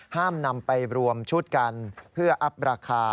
ห้ามนำไปรวมชุดกันเพื่ออัพราคา